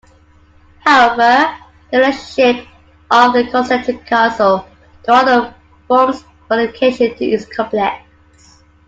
However, the relationship of the concentric castle to other forms of fortification is complex.